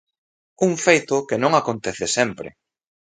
Un feito que non acontece sempre.